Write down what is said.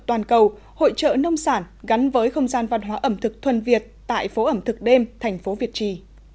toàn cầu hội trợ nông sản gắn với không gian văn hóa ẩm thực thuần việt tại phố ẩm thực đêm thành phố việt trì